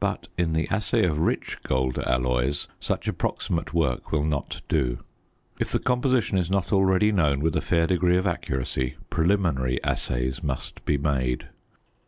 But in the assay of rich gold alloys such approximate work will not do. If the composition is not already known with a fair degree of accuracy preliminary assays must be made.